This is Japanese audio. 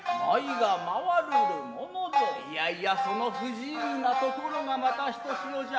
イヤイヤその不自由なところがまたひとしおじゃ。